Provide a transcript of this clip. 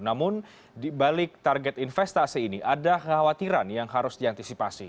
namun di balik target investasi ini ada khawatiran yang harus diantisipasi